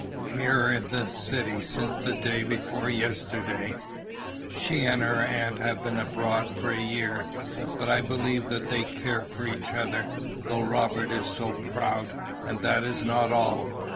"Here in this city since the day before yesterday. She and her aunt have been abroad for a year, but I believe that they care for each other, though Robert is so proud, and that is not all.